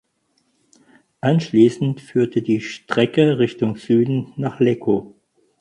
Anschließend führte die Strecke Richtung Süden nach Lecco.